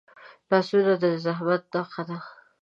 لاسونه د زحمت نښه ده